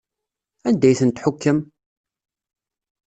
Anda ay tent-tḥukkem?